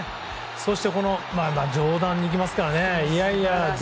そして上段に行きますからね。